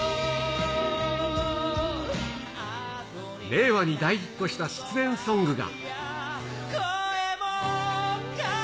令和に大ヒットした失恋ソングが。